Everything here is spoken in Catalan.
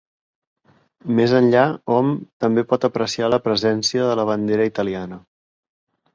Més enllà hom també pot apreciar la presència de la bandera italiana.